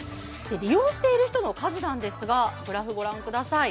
利用している人の数なんですがグラフご覧ください。